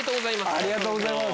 ありがとうございます。